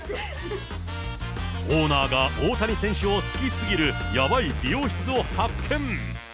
オーナーが大谷選手を好きすぎるやばい美容室を発見。